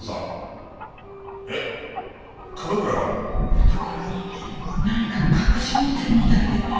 懐に何か隠し持ってるみたいで。